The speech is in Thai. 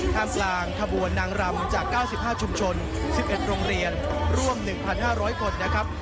ท่ามกลางขบวนนางรำจาก๙๕ชุมชน๑๑โรงเรียนร่วม๑๕๐๐คนนะครับ